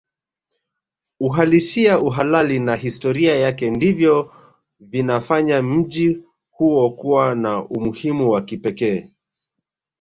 Uhalisia uhalali na historia yake ndivyo vinafanya mji huo kuwa na umuhimu wa kipekee